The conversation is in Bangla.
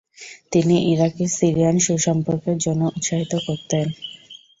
তিনি ইরাকি-সিরিয়ান সুসম্পরকের জন্য উৎসাহিত করতেন।